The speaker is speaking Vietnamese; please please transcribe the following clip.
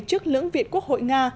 trước lưỡng viện quốc hội nga